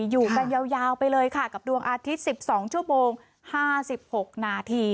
อยู่กันยาวไปเลยค่ะกับดวงอาทิตย์๑๒ชั่วโมง๕๖นาที